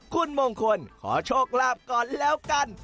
คุณมงคลขอโชคลาภก่อนแล้วกัน